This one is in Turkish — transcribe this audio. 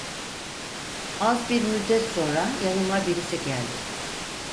Az bir müddet sonra yanıma birisi geldi.